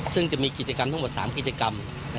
ซึ่งจะมีกิจกรรมทั้งหมด๓กิจกรรม